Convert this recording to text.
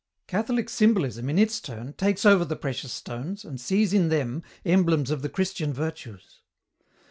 "Catholic symbolism, in its turn, takes over the precious stones and sees in them emblems of the Christian virtues.